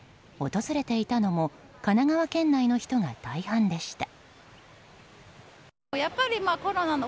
訪れていたのも神奈川県内の人が大半でした。